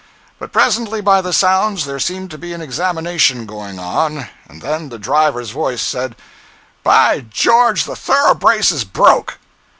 But presently, by the sounds, there seemed to be an examination going on, and then the driver's voice said: "By George, the thoroughbrace is broke!"